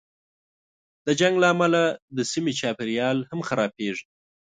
د جنګ له امله د سیمې چاپېریال هم خرابېږي.